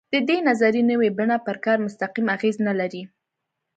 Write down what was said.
د دې نظریې نوې بڼه پر کار مستقیم اغېز نه لري.